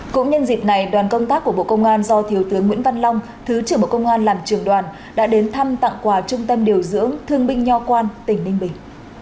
cũng nhân dịp này đoàn công tác của bộ công an do thiếu tướng nguyễn văn long thứ trưởng bộ công an làm trường đoàn đã đến thăm tặng quà trung tâm điều dưỡng thương binh nho quan tỉnh ninh bình